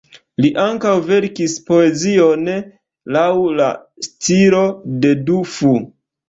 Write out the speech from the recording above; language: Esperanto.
Li ankaŭ verkis poezion laŭ la stilo de Du Fu.